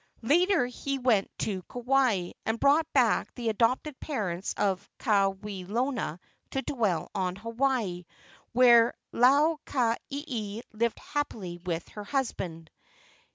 Later he went to Kauai, and brought back the adopted parents of Kawelona to dwell on Hawaii, where Lau ka ieie lived happily with her husband.